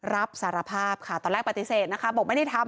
รับสารภาพค่ะตอนแรกปฏิเสธนะคะบอกไม่ได้ทำ